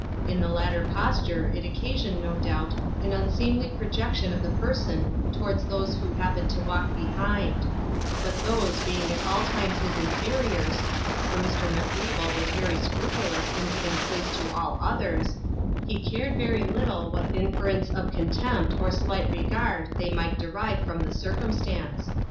In the latter posture it occasioned, no doubt, an unseemly projection of the person towards those who happened to walk behind; but those being at all times his inferiors (for Mr. Macwheeble was very scrupulous in giving place to all others), he cared very little what inference of contempt or slight regard they might derive from the circumstance.